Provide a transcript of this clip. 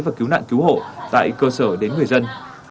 và cứu nạn cứu hộ tại cơ sở đến người dân